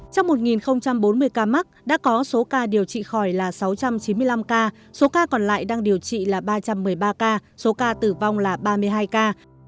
trong một bốn mươi ca mắc đã có số ca điều trị khỏi là sáu trăm chín mươi năm ca số ca còn lại đang điều trị là ba trăm một mươi ba ca số ca tử vong là ba mươi hai ca